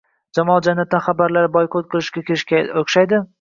jamoalar jannatdan xabarlarni boykot qilishga kirishganga o’xshaydi.